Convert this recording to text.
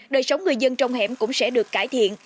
đời sống người dân trong hẻm cũng sẽ được cải thiện